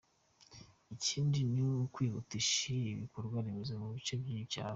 Ikindi ni ni ukwihutisha ibikorwaremezo mu bice by’icyaro.